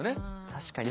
確かに。